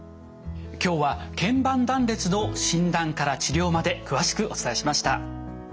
今日は腱板断裂の診断から治療まで詳しくお伝えしました。